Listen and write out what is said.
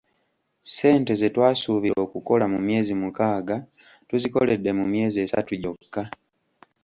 Ssente ze twasuubira okukola mu myezi omukaaga, tuzikoledde mu myezi esatu gyokka.